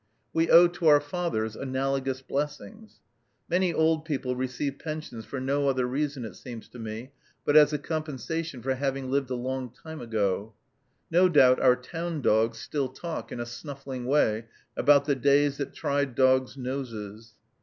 We owe to our fathers analogous blessings. Many old people receive pensions for no other reason, it seems to me, but as a compensation for having lived a long time ago. No doubt our town dogs still talk, in a snuffling way, about the days that tried dogs' noses.